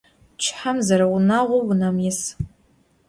Pçıhem zereunağou vunem yis.